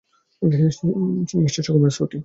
Mister Sukumar, Shruti.